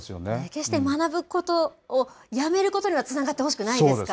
決して学ぶことをやめることにはつながってほしくないですか